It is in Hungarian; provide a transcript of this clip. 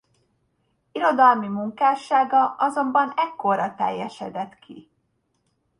Irodalmi munkássága azonban ekkora teljesedett ki.